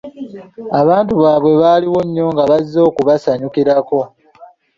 Abantu baabwe baaliwo nnyo nga bazze okubasanyukirako.